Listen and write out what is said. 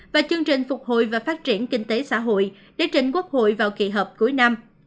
và chương trình phục hồi và phát triển kinh tế xã hội để trình quốc hội vào kỳ họp cuối năm